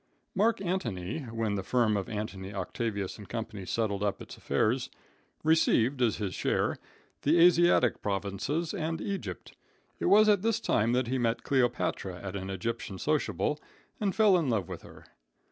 Mark Antony, when the firm of Antony, Octavius & Co. settled up its affairs, received as his share the Asiatic provinces and Egypt. It was at this time that he met Cleopatra at an Egyptian sociable and fell in love with her.